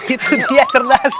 itu dia cerdas